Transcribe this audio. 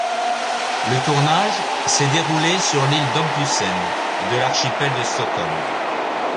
Le tournage s'est déroulé sur l'île Högdusen de l'archipel de Stockholm.